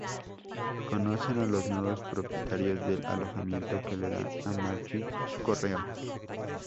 Conocen a los nuevos propietarios del alojamiento, que le dan a Marge su correo.